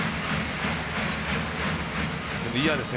嫌ですね。